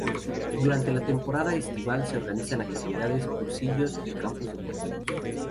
Durante la temporada estival se organizan actividades, cursillos y campus deportivos.